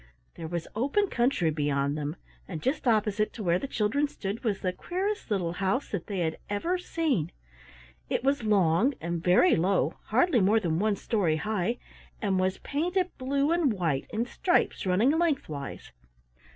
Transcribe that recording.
There was open country beyond them, and just opposite to where the children stood was the queerest little house that they had ever seen. It was long and very low, hardly more than one story high, and was painted blue and white in stripes running lengthwise.